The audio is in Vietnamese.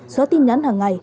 xóa tin nhắn hàng ngày